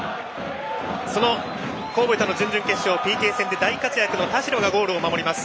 その神戸との準々決勝ＰＫ戦で大活躍の田代がゴールを守ります。